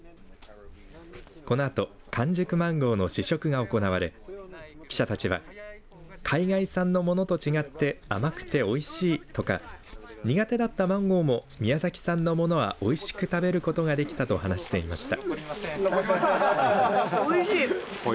このあと完熟マンゴーの試食が行われ記者たちは海外産のものと違って甘くておいしいとか苦手だったマンゴーも宮崎産のものをはおいしく食べることができたと話していました。